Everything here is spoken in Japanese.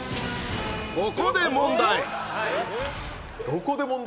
どこで問題？